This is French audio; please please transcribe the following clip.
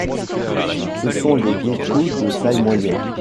Ce sont des geckos de taille moyenne.